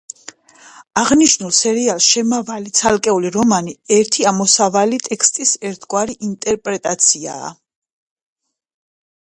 აღნიშნულ სერიაში შემავალი ცალკეული რომანი ერთი ამოსავალი ტექსტის ერთგვარი ინტერპრეტაციაა.